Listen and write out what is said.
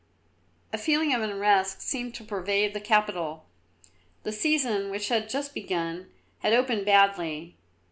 A feeling of unrest seemed to pervade the capital. The season, which had just begun, had opened badly.